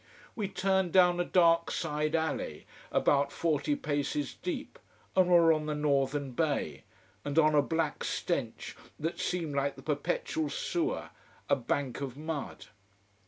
We turned down a dark side alley, about forty paces deep: and were on the northern bay, and on a black stench that seemed like the perpetual sewer, a bank of mud.